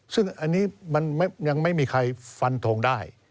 ซึ่งอันนี้มันยังไม่มีใครฟันทงได้